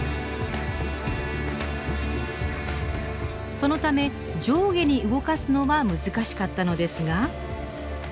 そのため上下に動かすのは難しかったのですが。